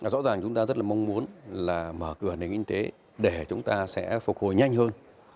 rõ ràng chúng ta rất mong muốn mở cửa đến kinh tế để chúng ta sẽ phục hồi nhanh hơn